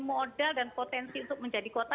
modal dan potensi untuk menjadi kota